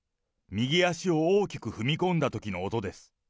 右足を大きく踏み込んだときの音です。